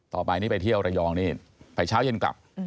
ต่อไปนี่ไปเที่ยวระยองนี่ไปเช้าเย็นกลับ